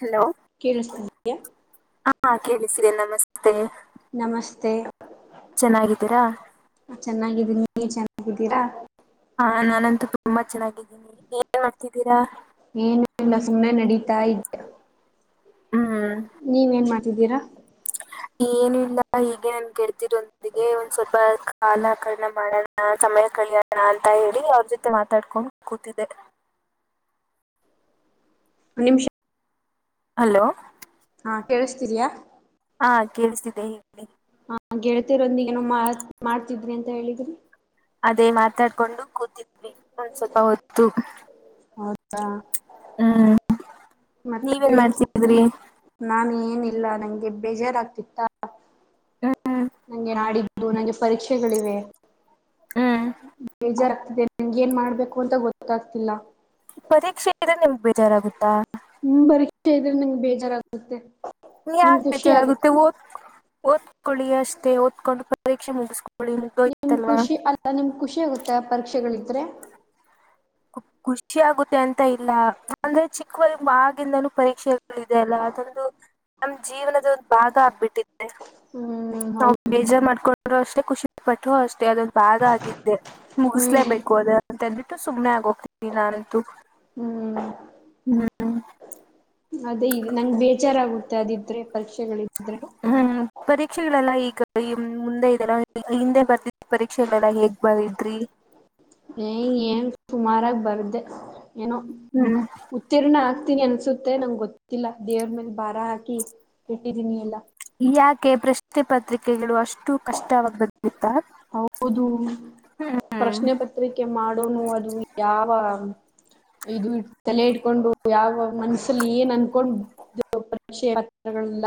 Hello ಕೇಳ್ತಿದಯಾ. ಹಾ ಕೇಳಿಸ್ರರಿ ನಮಸ್ತೆ. ನಮಸ್ತೆ. ಚೆನ್ನಾಗಿದ್ದೀರಾ. ನೀ ಚೆನ್ನಾಗಿದ್ದೀರಾ. ಹಾ ನಾನಂತೂ ತುಂಬಾ ಚೆನ್ನಾಗಿದ್ದೀನಿ ಏನ್ ಮಾಡ್ತಿದ್ದೀರಾ. ಏನುಲ್ಲಾ ಸುಮ್ ನಡೀತಾ ಇದ್ದ ಹ್ಮ್ ಇದಿರಾ ಏನು ಇಲ್ಲ ಹೀಗೆ ನನ್ಗೆಳ್ತಿರೊಂದಿಗೆ ಒಂದ್ ಸ್ವಲ್ಪ ಕಾಲಕಣ ಮಾಡೋಣ ಮ್ಮ ಕಳಯಾಣ ಅಂತ ಹೇಳಿ ಅವ್ರ ಜೊತೆ ಮಾತಾಡ್ಕೊಂಡು ಕೂತಿದ್ದೆ ನಿಮಿಷ ಹಲೋ ಹಾ ಕೇಳಿಸ್ತೀದಿಯಾ ಹಾ ಕೇಳಸ್ತಿದೆ ಹಿ ಹ ಗೆಳತಿರೊಂದಿಗಏನ ಮಾಡ್ತಿದ್ರಿ ಅಂತ ಹೇಳಿದ್ರಿ ಅದೇ ಮಾತಾಡ್ಕೊಂಡು ಕೂತಿದ್ವಿ ಒಂದ್ ಸ್ವಲ್ಪ ಹೊತ್ತು ಹೌದ ಹ್ಮ್ ಮತ್ತೆ ನೀವೇನ್ ಏನ್ ಸ್ ಮಾಡ್ತಿದ್ರಿ ನಾನು ಏನಿಲ್ಲ ನಂಗೆ ಬೇಜಾರಾಗಗ್ತಿತ್ತ ಹ್ಮ್ ನಂಗೆ ನಾಡಿದ್ದು ನಂಗೆ ಪರೀಕ್ಷೆಗಳಿವೆ ಹ್ಮ್ ಬೇಜಾರಾಗ್ತಿದೆ ನಂಗೆನ್ ಮಾಡ್ಬೇಕು ಅಂತ ಗೊತ್ತಾಗ್ತಿಲ್ಲ ಪರೀಕ್ಷೆ ಇದ್ರೆ ನಿಮ್ಗ್ ಬೇಜಾರಾಗುತ್ತಾ ಹ ಪರೀಕ್ಷೆ ಇದ್ರೆ ನಿಂಗೆ ಬೇಜಾರಾಗುತ್ತೆ ನೀ ನಿಮ್ ಯಾಕ್ ಖುಷಿ ಆಗುತ್ತೆ ಬೇಜಾರಗುತ್ತೆ ಓದ್ ಓದ್ಕೊಳ್ಳಿ ಅಷ್ಟೇ ಓದ್ಕೊಂಡು ಪರೀಕ್ಷೆ ಮುಗಿಸ್ಕೊ ನಿಮ್ ಖುಷಿ ಅಲ್ಲ ನಿಮ್ ಖುಷಿ ಆಗುತ್ತೆ ಪರೀಕ್ಷೆಗಳಿದ್ರೆ ಖುಷಿ ಆಗುತ್ತೆ ಅಂತ ಇಲ್ಲ ಅಂದ್ರೆ ಚಿಕ್ಕವ ಆಗಂದನೂ ಪರೀಕ್ಷೆ ಇ ಇದೆ ಅಲ್ಲ ಅದೊಂದು ನಮ್ ಜೀವನದ ಒಂದು ಭಾಗ ಆಗ್ಬಿಟ್ಟಿದೆ ಹ್ಮ ನಾವು ಬೇಜಾರ್ ಮಾಡ್ಕೊಂಡ್ರು ಅಷ್ಟೇ ಖುಷಿ ಪಟುವ ಅಷ್ಟೇ ಅದೊಂದು ಬಾಗ ಆಗಿದ್ದೆ ಹ್ಮ್ ಮುಗಿಸ್ಲೇಬೇಕು ಅದ ಅಂತಂದಬಿಟ್ಟು ಸುಮ್ನೆ ಆಗೋ ತಿ ನ ತು ಹ್ಮ್ ಹ್ಮ್ ಅದೇ ಈ ನಂಗ ಬೇಜಾರಗುತ್ತೆ ಅದಿದ್ರೆ ಪರೀಕ್ಷೆಗಳಿದ್ರೆ ಹ್ಮ್ ಪರೀಕ್ಷೆಗಳೆಲ್ಲ ಈಗ ಮುಂದೆ ಇದೆಲ್ಲ ಹಿಂದೆ ಬರ್ದಿದ ಪರೀಕ್ಷೆಗಳೆಲ್ಲ ಹೇಗ್ ಬರ್ದ್ರಿ ಏ ಏನ್ ಸುಮಾರಾಗಿ ಬರ್ದೆ ಏನೋ ಹ್ಮ್ ಉತ್ತೀರ್ಣ ಆ ತೀನಿ ಅನ್ಸುತ್ತೆ ನಂಗೆ ಗೊತ್ತಿಲ್ಲ ದೇವ್ರ ಮೇಲೆ ಭಾರ ಹಾಕಿ ಇಟ್ಟಿದೀನಿ ಎಲ್ಲ ಯಾಕೆ ಪ್ರಶ್ನೆ ಪತ್ರಿಕೆಗಳು ಅಷ್ಟು ಕಷ್ಟವಾಗಬೆ ಹೌದು ಹ್ಮ್ ಪ್ರಶ್ನೆ ಪತ್ರಿಕೆ ಮಾಡೋನು ಅದು ಯಾವ ಇದು ಇ ತಲೆ ಇಟ್ಕೊಂಡು ಯಾವ ಮನ್ಸಲ್ಲಿ ಏನ್ ಅನ್ಕೊಂಡ ಪರಿಷ್ಕೆ ಇಲ್ಲ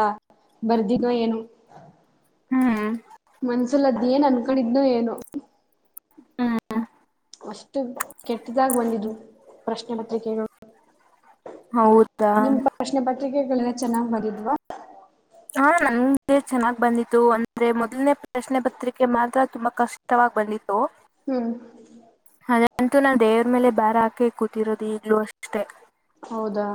ಬರ್ದಿನೋ ಏನು ಹಾ ಮನ್ಸಲದ್ ಏನ್ ಅನ್ಕೊಂಡಿದ್ನ ಏನೋ. ಹಾ ಹಾ ಅಷ್ಟು ಕೆಟ್ಟದಾಗ್ ಬಂದಿದ್ವು ಪ್ರಶ್ನೆ ಪತ್ರಿಕೆಗಳು. ಹೌದಾ ಪತ್ಕೆಗಳೆಲ್ಲ ಚೆನ್ನಾಗ್ ಬರಿದ್ವಾ [unintelligible] ಹಾ ನಂಗೆ ಚೆನ್ನಾಗ್ ಬಂದಿತ್ತು ಅಂದ್ರೆ ಮೊದಲನೇ ಪ್ರಶ್ನೆ ಪತ್ರಿಕೆ ಮಾತ್ರ ತುಂಬಾ ಕಷ್ಟವಾಗಿ ಬಂದಿತ್ತು. ಹ್ಮ್ ಇತ್ತು ನಾನ್ ದೇವ್ರ ಮೇಲೆ ಬಾರ ಹಾಕೆ ಕೂತಿರೋದು ಈಗ್ಲೂ ಅಷ್ಟೇ. ಹೌದಾ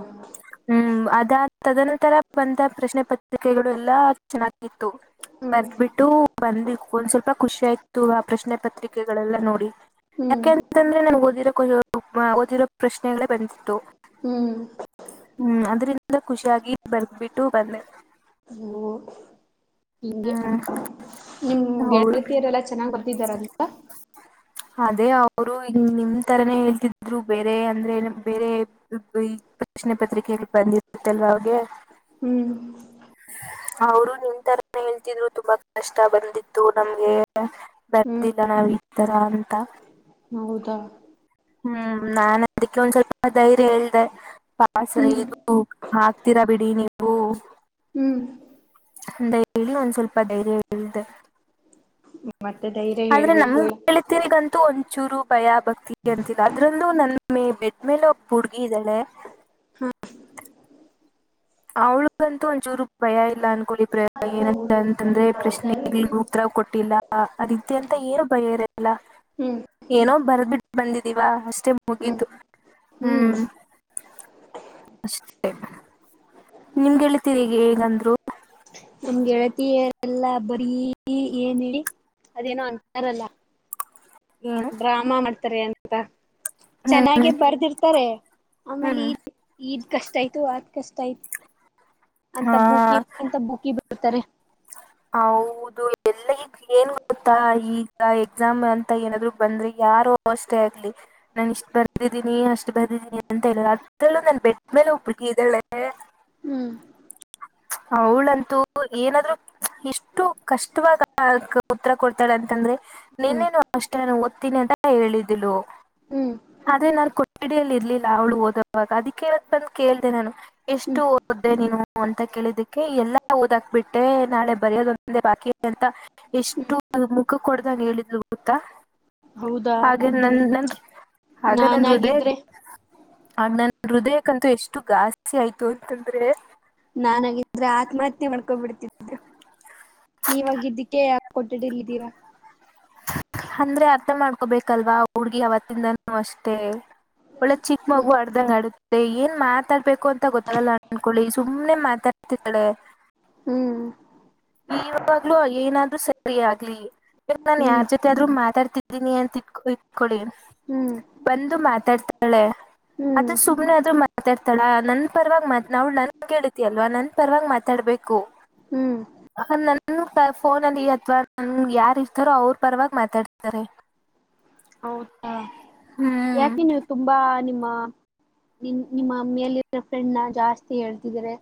ಅದ ತದನಂತರ ಬಂತ ಪ್ರಶ್ನೆ ಪತ್ರಿಕೆಗಳು ಎಲ್ಲಾ ಚೆನ್ನಾಗಿತ್ತು. ಹ್ಮ್ ಬರ್ದ್ಬಿಟ್ಟು ಬಂದಿ ಒಂದ್ ಸ್ವಲ್ಪ ಖುಷಿ ಆಯ್ತು ಆ ಪ್ರಶ್ನೆ ಪತ್ರಿಕೆಗಳೆಲ್ಲ ನೋಡಿ. ಹ್ಮ್ ಯಾಕೆಂತಂದ್ರೆ ನನ್ಗೆ ಓದಿರೋ ಓದಿರೋ ಪ್ರಶ್ನೆಗಳೇ ಬಂತಿತ್ತು. ಹ್ಮ್ ಹ್ಮ್ ಅದ್ರಿಂದ ಖುಷಿಯಾಗಿ ಬರ್ದಬಿಟ್ಟು ಬಂದೆ. ಹಂಗೆ ಹ್ಮ್ ಹೌದು ಗೆಳ್ತಿಯರೆಲ್ಲಾ ಚೆನ್ನಾಗ್ ಬರ್ತಿದಾರಂತ. ಅದೇ ಅವರು ನಿಮ್ ತರನೇ ಹೇಳ್ತಿದ್ರು ಬೇರೆ ಅಂದ್ರೆ ಬೇರೆ ಪ್ರಶ್ನೆ ಪತ್ರಿಕೆಗೆ ಬಂದಿತ್ತಲ್ವ ಅವ್ರಗೆ ಹ್ಮ್ ಅವರು ನಿನ್ ತರಾನ ಹೇಳ್ತಿದ್ರು ತುಂಬಾ ಕಷ್ಟ ಬಂದಿತ್ತು ನಮ್ಗೆ ಹ್ಮ್ ಬರೆದಿಲ್ಲ ನ ಈ ತರ ಅಂತ ಹೌದಾ ಹ್ಮ್ ನಾ ಅದಕ್ಕೆ ಒಂದ್ ಸ್ವಲ್ಪ ಧೈರ್ಯ ಹೇಳ್ದ ಪ ಹ್ಮ್ ಇದು ಹಾಕ್ತೀರಾ ಬಿಡಿ ನೀವು. ಹ್ಮ್ ಅಂತ ಹೇಳಿ ಒಂದ್ ಸ್ವಲ್ಪ ಧೈರ್ಯ ಹೇಳ್ದೆ. ಮತ್ತೆ ಧೈರ್ಯ ಆದ್ರೆ ಹೇಳ್ಬೇಕು ನಮಗ್ ಕ ತಿರಿಗಂತೂ ಒಂಚೂರು ಭಯ ಭಕ್ತಿ ಅಂತಿಲ್ಲ ಅದ್ರಂದು ನನ್ನ ಬೆದ್ಮೇಲೆ ಒಬ್ಬ ಹುಡ್ಗಿ ಇದ್ದಾಳೆ. ಅವ್ಳಗಂತೂ ಒಂದಚೂರು ಭಯ ಇಲ್ಲ ಅನ್ಕೊಳ್ಳಿ ಪ್ರ ಏನ ಅಂತಂದ್ರೆ ಪ್ರಶ್ನೆ ಗೆ ಉತ್ತರ ಕೊಟ್ಟಿಲ್ಲ ಅದಿಕೆ ಅಂತ ಏನು ಭಯ ಇರಲ್ಲ ಹ್ಮ್ ಏನೋ ಬರ್ಬಿಟ್ಟು ಬಂದಿದ್ದೀವ ಅಷ್ಟೇ ಹ್ಮ್ ಮುಗೀತು ಹ್ಮ್ ಅಷ್ಟೆ ನಿಮ್ಗೆಳ್ತಿರಿ ಈಗ ಹೇಗಂದ್ರು ನಮ್ಗೆಳತಿ ಎಲ್ಲಾ ಬರೀ ಏನ್ ಹೇಳಿ ಅದೇನೋ ಅಂತರಲ್ಲ ಏನು ಡ್ರಾಮಾ ಮಾಡ್ತಾರೆ ಅಂತ ಚೆನ್ನಾಗೆ ಹ್ಮ್ ಬರ್ದಿರ್ತಾರೆ ಆಮೇಲೆ ಹ್ಮ್ ಈದ ಕಷ್ಟ ಆಯ್ತು ಅದ್ ಕಷ್ಟಯ್ತ ಅಂತ ಹಾ ಬೂಕಿ ಅಂತ ಬೂಕಿ ಬಿಡ್ತಾರೆ. ಹೌದು ಎಲ್ಲಗ್ ಏನ್ ಗೊತ್ತಾ ಈಗ ಎಕ್ಸಾಮ್ ಅಂತ ಏನಾದ್ರು ಬಂದ್ರೆ ಯಾರ್ ಅಷ್ಟೇ ಆಗ್ಲಿ ನಾನು ಇಷ್ಟು ಬಂದಿದ್ದೀನಿ ಅಷ್ಟು ಬಂದಿದ್ದೀನಿ ಅಂತ ಹೇಳಲ್ಲ ಇದದರಳು ನನ್ ಬೆಟ್ಟ್ಮೇಲೆ ಒಬ್ಳು ಹುಡ್ಗಿ ಇದ್ದಾಳೆ ಹ್ಮ್ ಅವಳಂತೂ ಏನಾದ್ರು ಎಷ್ಟು ಕಷ್ಟವಾದ ಉತ್ತರ ಕೊಡ್ತಾಳ ಅಂತಂದ್ರೆ. ಹ್ಮ್ ನಿನ್ನೆನು ಅಷ್ಟೇ ನ ಓದ್ತೀನಿ ಅಂತ ಹೇಳಿದ್ಲು. ಹ್ಮ್ ಅದೇ ನಾನು ಕೊಠಡಿಯಲ್ಲಿ ಇರ್ಲಿಲ್ಲ ಅವಳು ಓದವಾಗ ಅದಕ್ಕೆ ಇವತ್ತು ಬಂದು ಕೇಳ್ದ ನಾನು ಎಷ್ಟು ಹ್ಮ್ ಓದ್ದೆ ನೀನು ಅಂತ ಕೇಳಿದಕ್ಕೆ ಎಲ್ಲಾ ಓದಾಕ್ ಬಿಟ್ಟೆ ನಾಳೆ ಬರೋದಂದ ಬಾಕಿ ಅಂತ ಹ್ಮ್ ಎಷ್ಟು ಮುಖ ಕೊಡ್ದಗ್ ಹೇಳಿದ್ಲು ಗೊತ್ತಾ. ಹೌದಾ ಹಾಗೆ ನನ್ ನಿಮ್ ನನ್ ಹಾಗ ನನ್ ಹೃದಯ ನಾನಾಗಿದ್ರೆ ಆ ನನ್ ಹೃದಯಕ್ಕಂತೂ ಎಷ್ಟು ಗಾಸ್ತಿ ಆಯ್ತು ಅಂತಂದ್ರೆ. ನಾನಗಿದ್ರೆ ಆತ್ಮಹತ್ಯೆ ಮಾಡ್ಕೊಬಿಡ್ತಿದೆ. ನೀವಾಗಿದ್ದಕ್ಕೆ ಯ ಕೊಠಡಿಲ್ಲಿದ್ದೀರಾ. ಅಂದ್ರೆ ಅರ್ಥ ಮಾಡ್ಕೊಬೇಕಲ್ವಾ ಹುಡ್ಗಿ ಅವತ್ತಿಂದನೂ ಅಷ್ಟೆ ಒಳ್ಳೆ ಚಿಕ್ಕ ಹ್ಮ್ ಮಗು ಅಡ್ದಂಗ ಆಡುತ್ತೆ ಏನ್ ಮಾತಾಡ್ಬೇಕು ಅಂತ ಗೊತ್ತಾಗಲ್ಲ ಅನ್ಕೊಳ್ಳಿ ಸುಮ್ನೆ ಮಾತ ದ್ದಾಳೆ ಹ್ಮ್ ಇವಾಗ್ಲೂ ಏನಾದ್ ಸ ಫರಿ ಆಗ್ಲಿ ಇವಾಗ ನಾನನ್ ಹ್ಮ್ ಯಾರ್ ಜೊತೆ ಆದ್ರರು ಮಾತಾಡ್ತಿದ್ದೀನಿ ಅಂತ ಇಟ್ಕೊ ಇಟ್ಕೊಡಿ ಹ್ಮ್ ಬಂದು ಮಾತಾಡ್ತಾಳೆ ಅದ ಹ್ಮ್ ಸುಮನೆ ಆದ್ರೂ ಮಾತಾಡ್ತಾಳ ನನ್ ಪರವಾಗಿ ಮಾತ್ ನ ನನ್ ನ ಕೇತಿ ಅಲ್ವಾ ನನ್ ಪರವಾಗಿ ಮಾತಾಡ್ಬೇಕು ಹ್ಮ್ ನನ್ ಫೋನಲ್ಲಿ ಅಥವಾ ನನ್ ಯಾರ ಇರ್ತಾರೋ ಅವ್ರ ಪರವಾಗಿ ಮಾತಾಡ್ತಾರೆ ಹೌದಾ ಹ್ಮ್ ಯಾಕೆ ನೀವು ತುಂಬಾ ನಿಮ್ಮ ನಿ ನಿಮ್ಮ ಅಮ್ಮಿಯಲ್ಲಿರ ಫ್ರೆಂಡ್ನ ಜಾಸ್ತಿ ಹೇಳ್ತಿದಿದ್ದಾರೆ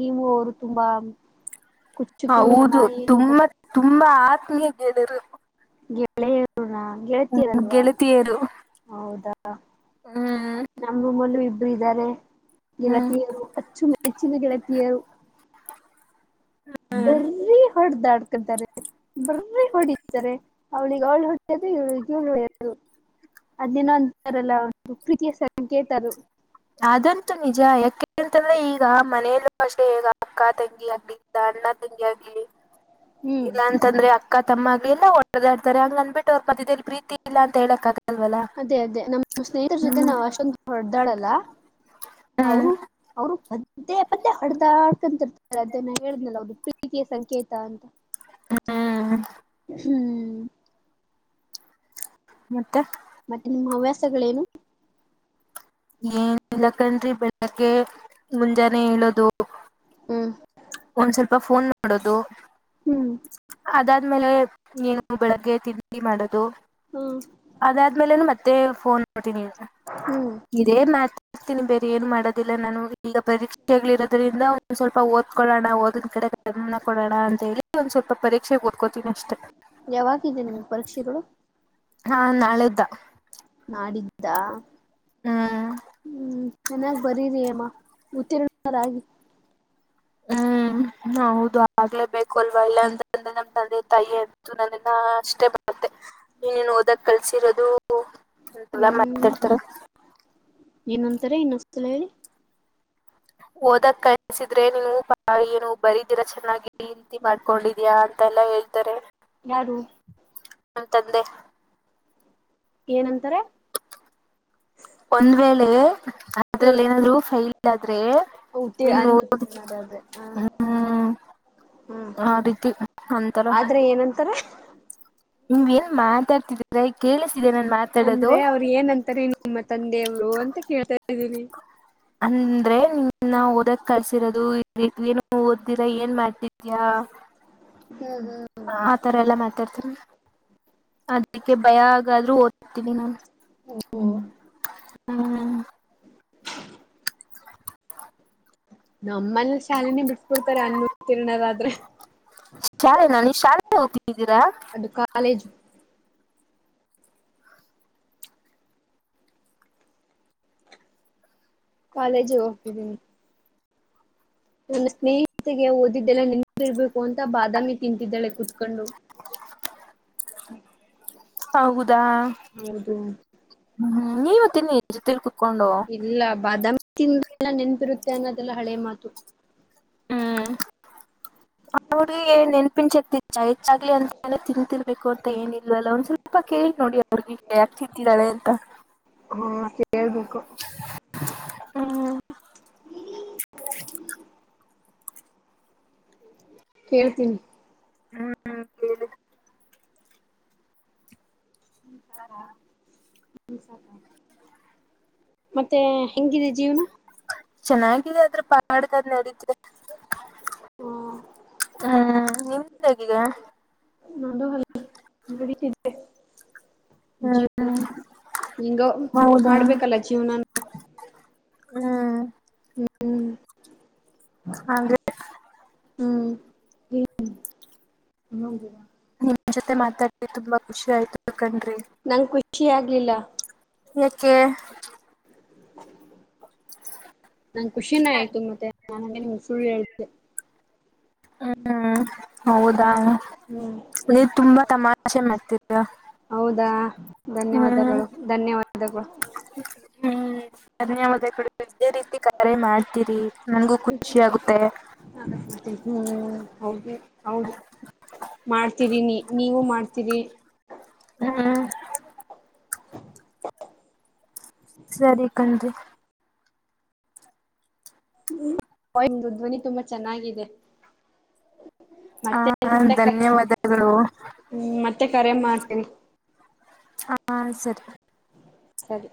ನೀವು ಅವರು ತುಂಬಾ ಕುಚ್ಚುಕೂದನ ಹೌದು ಏನೋ ತುಂಬಾ ಕತೆ ತುಂಬಾ ಆತ್ಮೀಯ ಗೆಳರು ಗೆಳೆಯರುಣ ಗೆಳತೀರಲ್ವಾ ಗೆಳತಿಯರು ಹೌದಾ ಹ್ಮ್ ನಮ್ಮೂ ಮಲ್ಲ ಇಬ್ರು ಇದ್ದಾರೆ ಹ್ಮ್ ಗೆಳತಿಯರು ಅಚ್ಚು ಹೆಚನ ಗೆಳತಿಯರು ಹ್ಮ್ ಬರೀ ಹೊಡ್ದಾಡ್ಕತಾರೆ ಬರ್ರಿ ಹೊಡತಾರೆ ಅವ್ಳಿಗೆ ಅವಳ ಹೊಡೆಯೋದು ಇವಳಿಗೆ ಇವಳ ಹೊಡೆಯದು ಅದನೋ ಅಂತಾರಲ್ಲ ಒ ಪ್ರೀತಿಯ ಸ ಕೇಳ್ತಾರ ಅದಂತು ನಿಜ ಯಾಕೆ ತಂದ್ರೆ ಈಗ ಮನೆಯಲ್ಲೂ ಅಷ್ಟೇ ಈಗ ಅಕ್ಕ ತಂಗಿ ಆಗ್ಲಿಲ್ಲ ಅಣ್ಣ ತಂಗಿ ಆಗ್ಲಿ ಹ್ಮ್ ಇಲ್ಲಾಂತಂದ್ರೆ ಅಕ್ಕ ತಮ್ಮ ಆಗ್ಲಿಲ್ಲ ಓಡದಾಡ್ತಾರೆ ಹಂಗ್ ನಂದನ್ಬಿಟ್ಟು ಅವ್ರ ಮಧ್ಯದಲ್ಲಿ ಪ್ರೀತಿ ಇಲ್ಲ ಅಂತ ಹೇಳಕ್ಕಾಗ ಅದೇ ಅದೇ ನಮ್ಮ ಸ್ನೇಹಿತರ ಜೊತೆ ನಾವ್ ಅಷ್ಟೊಂದು ಹೊಡೆದಾಳಲ್ಲ ಹ್ಮ್ ಅವರು ಅವರು ದೇ ಪತ್ತೆ ಹಡ್ದಾಡ್ಕೊಂತಿರ್ತಾರೆ ಅದೇನ ಹೇಳನಲ್ಲದು ಪ್ರೀತಿಯ ಸಂಕೇತ ಅಂತ ಹ್ಮ್ ಹ್ಮ್ ಮತ್ತೆ ಮತ್ತೆ ನಿಮ್ಮ ಹವ್ಯಾಸಗಳೇನು ಏನ್ ಇಲಕನ್ ಬೆಳಕ ಮುಂಜಾನೆ ಹೇಳದು ಹ್ಮ ಒಂದ್ ಸ್ವಲ್ಪ ಫೋನ್ ನೋಡೋದು ಅದಾದ್ಮೇಲೆ ಏನು ಬೆಳಗ್ಗೆ ತಿಂಡಿ ಮಾಡೋದು ಹ್ಮ್ ಅದಾದ್ಮೇಲೆನು ಮತ್ತೆ ಫೋನ್ ಇದೇ ಮ್ಯಾತ್ ತೀನಿ ಬೇರೆ ಏನು ಮಾಡೋದಿಲ್ಲ ನಾನು ಈಗ ಪರೀಕ್ಷೆಗಳಿರೋದ್ರಿಂದ ಒಂದ್ ಸ್ವಲ್ಪ ಓದ ಕೊಳ್ಳೋಣ ಓದನ್ ಕಡೆ ಗಡಿಮನ ಕೊಡೋಣ ಅಂತ ಹೇಳಿ ಒಂದು ಸ್ವಲ್ಪ ಪರೀಕ್ಷೆ ಓಡ್ಕೋತೀನಿ ಅಷ್ಟೆ ಯಾವಾಗಿದೆ ನಿಮ್ಗೆ ಪರೀಕ್ಷೆಗಳು ಹಾ ನಾಳೆದ್ದ ಮಾಡಿದ್ದ ಹ್ಮ್ ಹ್ಮ್ ಚೆನ್ನಾಗ್ ಬರೀರಿ ಅಮ್ಮ ಉತ್ತೀರ್ ಆಗಿ ಹ ಹ್ಮ್ ಹೌದು ಆಗ್ಲೇ ಬೇಕು ಅಲ್ವಾ ಇಲ್ಲ ಅಂದ್ರೆ ನಮ್ ನಂದ ತಾಯಿ ಅಂತು ನನ ಅಷ್ಟೇ ಮತ್ತೆ ನೀನ್ನು ಓದಕ್ ಕಲ್ಸಿರೋದು ಹ ಎಲ್ಲ ಹ್ಮ್ ಮಾತಾಡ್ತಾರ ಏನಂತಾರೆ ಇನ್ನೊಸಲ ಹೇಳಿ ಓದಕ್ ಕಳ್ಸಿದ್ರೆ ನೀನು ಪ ಏನು ಬರಿದಿರಾ ಚೆನ್ನಾಗಿ ಹಂತಿ ಮಾಡ್ಕೊಂಡಿದೀಯ ಅಂತೆಲ್ಲ ಹೇಳ್ತಾರೆ ಯಾರು ನಮ್ಮ ತಂದೆ ಏನಂತಾರೆ ಒಂದ್ ವೇಳೆ ಅದ್ರಲ್ಲಿ ಏನಾದ್ರು ಫೈಲ್ ಆದ್ರೆ ಉತ್ತ ಅನ್ ಇನ್ನು ಉತ್ತೀರ್ಣ ಅದಾದೆ ಹ ಹ್ಮ್ ಹ್ಮ್ ಆ ರೀತಿ ಆದ್ರೆ ಏನಂತಾರ ನಿ್ ಎಲ್ ಮಾತಾಡ್ತಿದ ಅಂದ್ರೆ ಅವರು ಏನ್ಂತಾರೆ ನಿಮ್ಮ ತಂದೆಯವರು ಅಂತ ಕೇಳ್ತಾರೆ [inaudible] ಅಂದ್ರೆ ನಿಮನ್ನ ಓದಕ್ ಕಲ್ಸಿರೋದು ಏನು ಓದಿರ ಏನ್ ಮಾಡ ಆತರ ಎಲ್ಲ ಮ್ಯಾಟರ್ ಅದಕ್ಕೆ ಭಯ ಹಾಗಗಾದ್ರೂ ಓದ್ತೀನಿ ನಾ ಹ್ಮ್ ನಮ್ಮನ ಶಾಲೆನೇ ಬಿಡ್ಸ್ಕೊಡ್ತಾರೆ ಅನ್ನು ತಿರ್ನದಾದ್ರೆ ಶಾಲೆನಾ ನೀವ್ ಶಾಲೆ ಹೋಗ್ತಿದ್ದೀರಾ ಅದು ಕಾಲೇಜು ಕಾಲೇಜಿಗೆ ಹೋಗ್ತಿದ್ದೀನಿ ನನ್ನ ಸ್ನೇಹಿಿತಗೆ ಓದಿದ್ದೆಲ್ಲ ನಿನ್ಿರ್ಬೇಕು ಅಂತ ಬಾದಾಮಿ ತಿಂತಿದ್ದಾಳೆ ಕುೂತ್ಕೊಂಡು ಹ್ಮ ಹೌದಾ ಹ ನೀವತ್ತೆೊ ಇಲ್ಲ ಬಾದಾಮಿಿಂದ ಎಲ್ಲ ನೆನ್ಪಿರುತ್ತೆ ಅನ್ನೋದೆಲ್ಲ ಹಳೆ ಮಾತು ಹ್ಮ್ ಹ ಹುಡ್ಗ ನೆನ್ಪಿನಸತಿಚ್ಚಾ ಹೆಚ್ಚಾಗ್ಲಿ ಅಂತೇ ತಿತಿರ್ಬೇಕು ಅಂತ ಮತ್ತ ಏನಿಲ್ವ ಅಲ್ಲ ಒಂದ್ ಸ್ವಲ್ಪ ಕೇಳಿ ನೋಡಿ ಅವ್ರಿಗೆ ಯಾಕ್ತಿಿದ್ದಿದ್ದಾಳೆ ಅಂತ ಕೇಳ್ಬಕು ಹ್ಮ್ ಹ್ಮ ಕೇಳ್ತೀನಿ ಹ್ಮ್ ಕೇಳೇಳ ಹ ಸಾಕ ಹ ಸಾಕ ಮತ್ತೆ ಹೆಂಗಿದೆ ಜೀವನ ಚೆನ್ನಾಗಿದೆ ಆದದ್ರ ಪಂಗಡಕದ್ ನಡಿದ್ರೆ ಹ್ಮ್ ನಿಮ್ದ ಹೇಗಿದೆ ನಂದು ಅ ಬಿಡತಿದ್ದೆ ಜೀವನ ಹ್ಮ್ ಹಿಂಗ ಹೌದಾ ಮಾಡ್ಬೇಕಲ್ಲ ಜೀವನಾನ ಹ್ಮ್ ಹಾಗೆ ಹ್ಮ್ ಹ ಹ ನಿಮ್ಮ ಜೊತೆ ಮಾತಾಡ್ತಿವಿ ತುಂಬಾ ಖುಷಿ ಆಯ್ತು ಕಣ್ರಿ ನಂಗೆ ಖುಷಿ ಆಗ್ಲಿಲ್ಲ ಎಕೆ [unintelligible] ನಾನ್ ಖುಷಿನ ಆಯ್ತು ಮತ್ತೆ ನನ್ ನಿ ಸುಳ್ಳು ಹೇಳೆ ಹ್ಮ್ ಹೌದಾ ಹ್ಮ್ ನೀ ತುಂಬಾ ತಮಾಷೆ ಮಾಡ್ತಿದರ ಹೌದಾ ಧನ್ಯವಾದಗಳು ಧನ್ಯವಾದಗಳು ಹ್ಮ್ ಧನ್ಯವಾದ ಕಡೆ ಇದೇ ರೀತಿ ಕರೆ ಮಾಡ್ತೀರಿ ನನ್ಗೂ ಖುಷಿ ಆಾಗುತ್ತೆ ಹ್ಮ್ ಹೌದು ಹೌದು ಮಾಡ್ತೀರಿನಿ ನೀವು ಮಾಡ್ತೀರಿ ಹ್ಮ್ ಸರಿ ಕರಿ ದು ಧ್ವನಿ ತುಂಬಾ ಚೆನ್ನಾಗಿದೆ ಮತ್ತೆ ಹ ಮತ್ತೆ ಧನ್ಯವಾದಗಳು ಹ್ಮ ಮತ್ತೆ ಕರೆ ಮಾಡ್ತೀನಿ ಹ ಸರಿ ಸರಿ